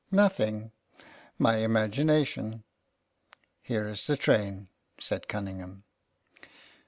'' Nothing. My imagination. Here is the train," said Cunningham.